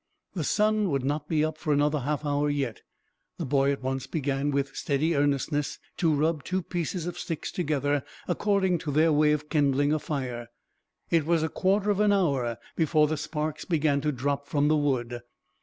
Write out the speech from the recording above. The sun would not be up for another half hour, yet. The boy at once began, with steady earnestness, to rub two pieces of stick together, according to their way of kindling a fire. It was a quarter of an hour before the sparks began to drop from the wood.